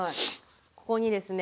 ここにですね